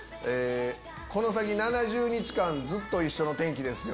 この先７０日間ずっと一緒の天気ですよ！